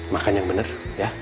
makan yang benar ya